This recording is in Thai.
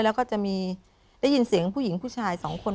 แล้วก็จะมีได้ยินเสียงผู้หญิงผู้ชายสองคน